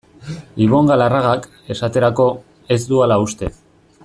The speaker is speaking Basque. Ibon Galarragak, esaterako, ez du hala uste.